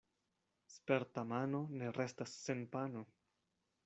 Sperta mano ne restas sen pano.